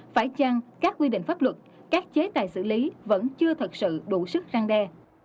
phải chăng các quy định pháp luật các chế tài xử lý vẫn chưa thật sự đủ sức răng đe